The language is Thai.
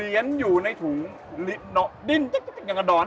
เรียนอยู่ในถุงดินอย่างจะด่อน